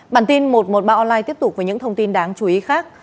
bản tin một trăm một mươi ba online tiếp tục với những thông tin đáng chú ý khác